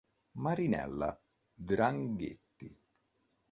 Marinella Draghetti